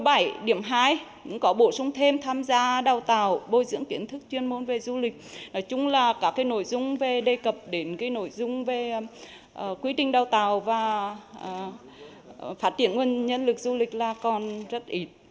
cũng có bổ sung thêm tham gia đào tạo bôi dưỡng nhân lực nghiên cứu ứng dụng khoa học công nghệ